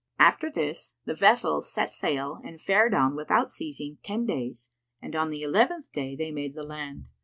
After this, the vessels set sail and fared on without ceasing ten days, and on the eleventh day they made the land.